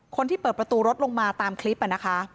คนที่เปิดประตูรถลงมาตามคลิปนะคะ